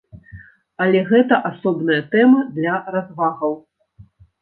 Але гэта асобная тэма для развагаў.